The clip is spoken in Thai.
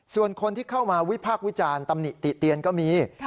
ส่วนคนที่เข้ามาวิพากษ์วิจารณ์ตำหนิติเตียนก็มี